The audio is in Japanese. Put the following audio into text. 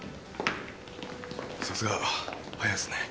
さすが早いっすね。